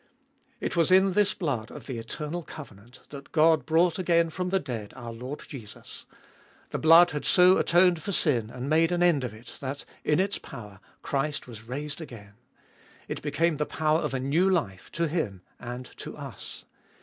It was in this blood of the eternal covenant that God brought again from the dead our Lord Jesus : the blood had so atoned for sin and made an end of it that, in its power, Christ was raised again. It became the power of a new life to Him and to us.